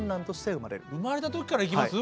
生まれた時からいきます？